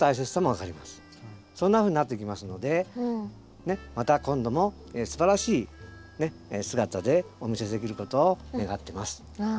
そんなふうになっていきますのでねっまた今度もすばらしい姿でお見せできることを願ってます。